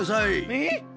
えっ？